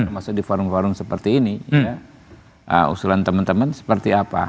masuk di forum forum seperti ini usulan teman teman seperti apa